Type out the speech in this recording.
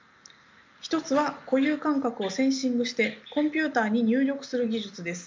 一つは固有感覚をセンシングしてコンピューターに入力する技術です。